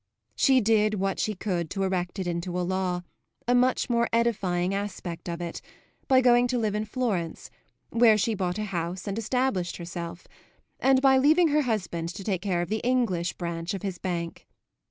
She did what she could to erect it into a law a much more edifying aspect of it by going to live in Florence, where she bought a house and established herself; and by leaving her husband to take care of the English branch of his bank.